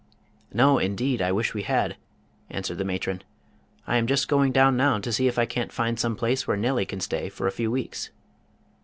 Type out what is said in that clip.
"No; indeed, I wish we had," answered the matron. "I am just going down now to see if I can't find some place where Nellie can stay for a few weeks."